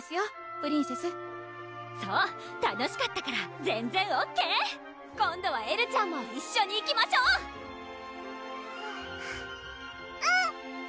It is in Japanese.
プリンセスそう楽しかったから全然ＯＫ今度はエルちゃんも一緒に行きましょうあっうん！